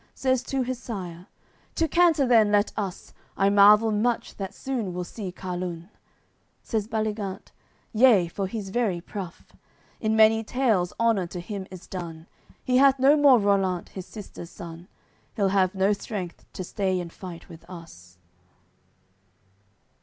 Says to his sire: "To canter then let us! I marvel much that soon we'll see Carlun." Says Baligant: "Yea, for he's very pruff; In many tales honour to him is done; He hath no more Rollant, his sister's son, He'll have no strength to stay in fight with us."